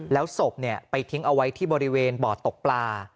แล้วศพไปทิ้งเอาไว้ที่บริเวณบ่อตกปลา